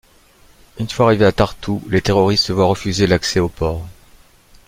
Une fois arrivé à Tartous, les terroristes se voient refuser l′accès au port.